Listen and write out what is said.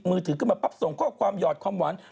มือถือขึ้นมาปั๊บส่งข้อความหยอดความหวาน